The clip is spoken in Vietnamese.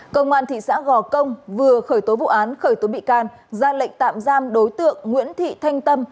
công an thị xã gò công vừa khởi tố vụ án khởi tố bị can ra lệnh tạm giam đối tượng nguyễn thị thanh tâm